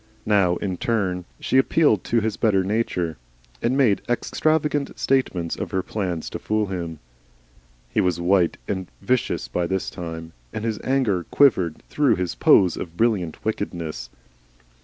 Now in turn she appealed to his better nature and made extravagant statements of her plans to fool him. He was white and vicious by this time, and his anger quivered through his pose of brilliant wickedness.